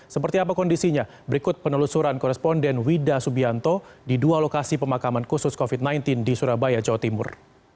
seperti apa kondisinya berikut penelusuran koresponden wida subianto di dua lokasi pemakaman khusus covid sembilan belas di surabaya jawa timur